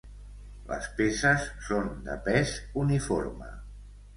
Les peces són de pes uniforme.